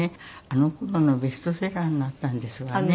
あの頃のベストセラーになったんですわね。